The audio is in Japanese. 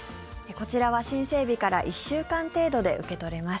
こちらは申請日から１週間程度で受け取れます。